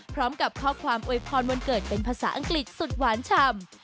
พร้อมกับข้อความโวยพรวันเกิดเป็นภาษาอังกฤษสุดหวานชำ